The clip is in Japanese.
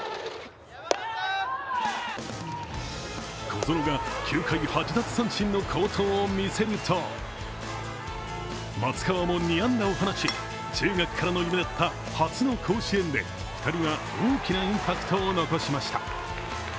小園が９回、８奪三振の好投を見せると、松川も２安打を放ち、中学からの夢だった初の甲子園で２人は大きなインパクトを残しました。